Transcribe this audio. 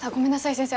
先生